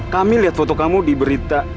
kami lihat foto kamu di berita